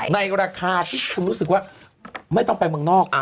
ในราคาที่คุณรู้สึกว่าไม่ต้องไปเมืองนอก